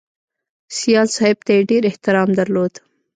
سیال صاحب ته یې ډېر احترام درلود